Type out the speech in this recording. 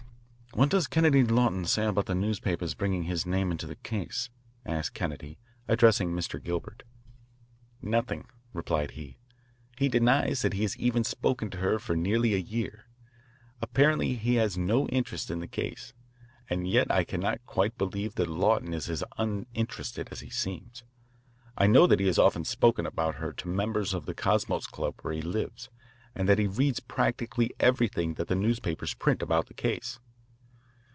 "What does Dudley Lawton say about the newspapers bringing his name into the case?" asked Kennedy, addressing Mr. Gilbert. "Nothing," replied he. "He denies that he has even spoken to her for nearly a year. Apparently he has no interest in the case. And yet I cannot quite believe that Lawton is as uninterested as he seems. I know that he has often spoken about her to members of the Cosmos Club where he lives, and that he reads practically everything that the newspapers print about the case."